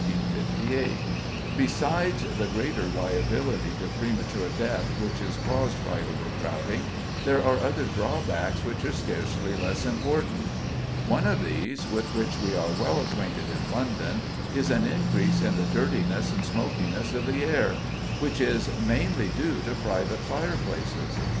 Besides the greater liability to premature death which is caused by overcrowding, there are other drawbacks which are scarcely less important. One of these, with which we are well acquainted in London, is an increase in the dirtiness and smokiness of the air, which is mainly due to private fireplaces.